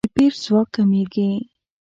د پیر ځواک کمیږي.